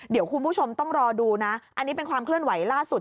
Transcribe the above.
เดี๋ยวคุณผู้ชมต้องรอดูนะอันนี้เป็นความเคลื่อนไหวล่าสุด